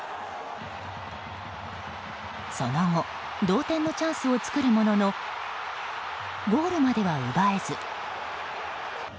その後同点のチャンスを作るもののゴールまでは奪えず。